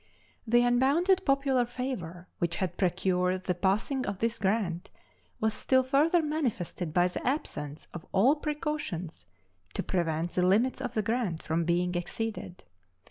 The unbounded popular favor which had procured the passing of this grant was still further manifested by the absence of all precautions to prevent the limits of the grant from being exceeded.